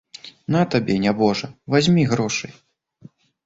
На табе, нябожа, вазьмі грошай.